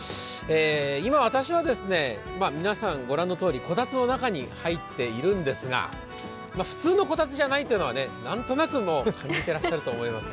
今、私は、皆さんご覧のとおりこたつの中に入っているんですが普通のこたつじゃないというのは何となく感じてらっしゃると思います。